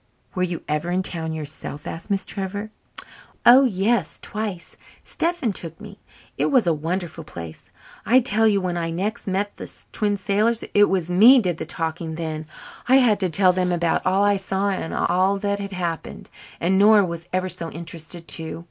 "Were you ever in town yourself?" asked Miss Trevor. "Oh, yes, twice. Stephen took me. It was a wonderful place. I tell you, when I next met the Twin Sailors it was me did the talking then. I had to tell them about all I saw and all that had happened. And Nora was ever so interested too.